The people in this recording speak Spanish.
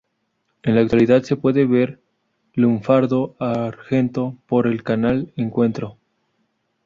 En la actualidad se puede ver Lunfardo Argento por el Canal Encuentro.